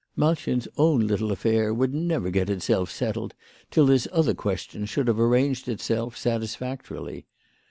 Malchen' s own little affair would never get itself settled till this other question should have arranged itself satisfactorily.